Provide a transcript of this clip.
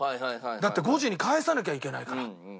だって５時に帰さなきゃいけないから。